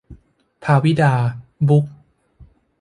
ภาวิดา บุ๊ค